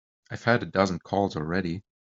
I've had a dozen calls already.